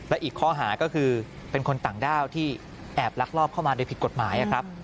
และอีกข้อหาก็คือเป็นคนต่างด้าวที่แอบลักลอบเข้ามาโดยผิดกฎหมายครับ